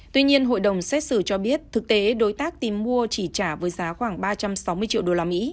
tuy nhiên hội đồng xét xử cho biết thực tế đối tác tìm mua chỉ trả với giá khoảng ba trăm sáu mươi triệu usd